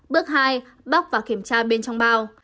bước hai bóc và kiểm tra bên trong bao